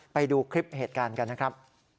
ไปดูคลิปเหตุการณ์กันนะครับ